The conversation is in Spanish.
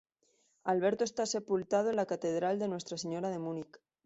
Alberto está sepultado en la Catedral de Nuestra Señora de Múnich.